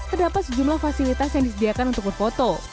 terdapat sejumlah fasilitas yang disediakan untuk berfoto